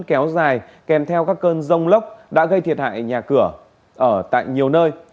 kéo dài kèm theo các cơn rông lốc đã gây thiệt hại nhà cửa ở tại nhiều nơi